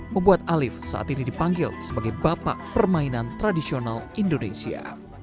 membuat alif saat ini dipanggil sebagai bapak permainan tradisional indonesia